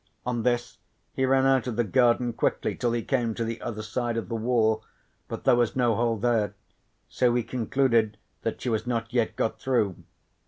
On this he ran out of the garden quickly till he came to the other side of the wall, but there was no hole there, so he concluded that she was not yet got through.